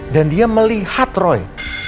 dan dia melihat roy